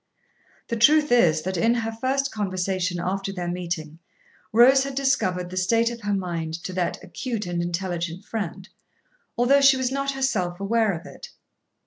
The truth is, that in her first conversation after their meeting Rose had discovered the state of her mind to that acute and intelligent friend, although she was not herself aware of it.